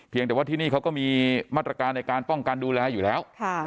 แต่ว่าที่นี่เขาก็มีมาตรการในการป้องกันดูแลอยู่แล้ว